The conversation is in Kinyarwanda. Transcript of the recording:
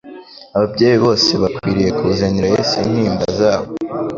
Ababyeyi bose bakwiriye kuzanira Yesu intimba zabo.